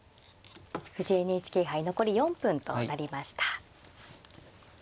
藤井ＮＨＫ杯残り４分となりました。